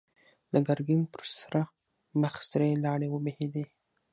د ګرګين پر سره مخ سرې لاړې وبهېدې.